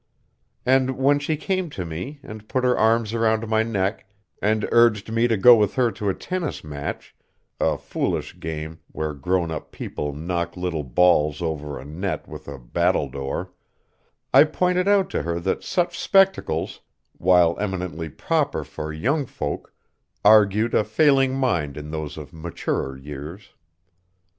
And, when she came to me, and put her arms around my neck and urged me to go with her to a tennis match a foolish game where grown up people knock little balls over a net with a battledore I pointed out to her that such spectacles, while eminently proper for young folk, argued a failing mind in those of maturer years.